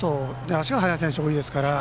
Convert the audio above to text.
足が速い選手が多いですから。